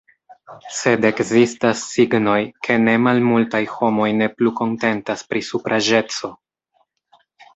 Sed ekzistas signoj, ke ne malmultaj homoj ne plu kontentas pri supraĵeco.